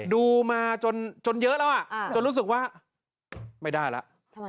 ดูมาจนเยอะแล้วจนรู้สึกว่าไม่ได้แล้ว